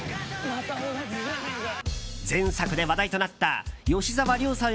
前作で話題となった吉村亮さん